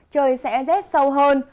trời sẽ rét sâu hơn